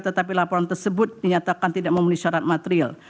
tetapi laporan tersebut dinyatakan tidak memenuhi syarat material